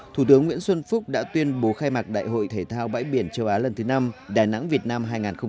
thủ tướng nguyễn xuân phúc đã tuyên bố khai mạc đại hội thể thao bãi biển châu á lần thứ năm đà nẵng việt nam hai nghìn hai mươi bốn